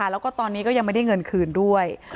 แล้วก็ตอนนี้ก็ยังไม่ได้เงินคืนด้วย